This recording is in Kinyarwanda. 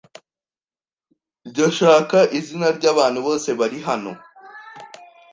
Ndashaka izina ryabantu bose bari hano